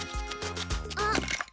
あっ。